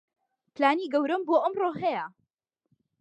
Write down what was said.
پلانی گەورەم بۆ ئەمڕۆ هەیە.